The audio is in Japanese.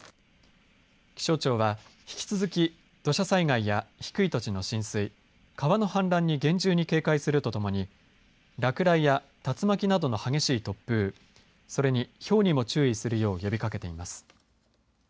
気象庁は引き続き、土砂災害や低い土地の浸水川の氾濫に厳重に警戒するとともに落雷や竜巻などの激しい突風それにひょうにも注意するよう呼びかけています。